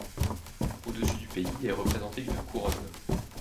Au-dessus du pays, est représentée une couronne.